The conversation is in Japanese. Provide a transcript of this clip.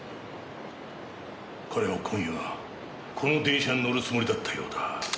彼は今夜この電車に乗るつもりだったようだ。